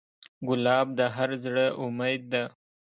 ګلاب د هر زړه امید ده.